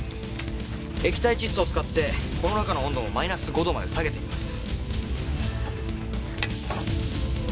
液体窒素を使ってこの中の温度もマイナス５度まで下げてみます。